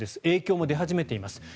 影響も出始めています